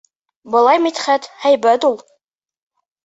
Былай Мидхәт һәйбәт ул...